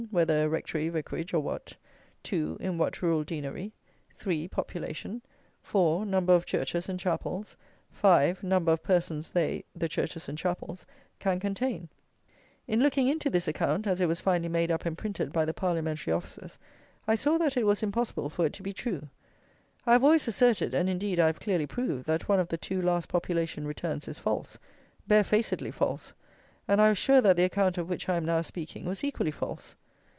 Whether a Rectory, Vicarage, or what. 2. In what rural Deanery. 3. Population. 4. Number of Churches and Chapels. 5. Number of persons they (the churches and chapels) can contain. In looking into this account as it was finally made up and printed by the parliamentary officers, I saw that it was impossible for it to be true. I have always asserted, and, indeed, I have clearly proved, that one of the two last population returns is false, barefacedly false; and I was sure that the account of which I am now speaking was equally false.